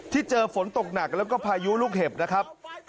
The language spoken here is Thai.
เจอฝนตกหนักแล้วก็พายุลูกเห็บนะครับ